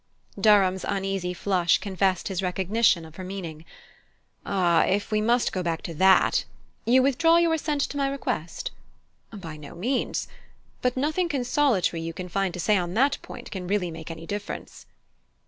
Durham's uneasy flush confessed his recognition of her meaning. "Ah, if we must go back to that " "You withdraw your assent to my request?" "By no means; but nothing consolatory you can find to say on that point can really make any difference."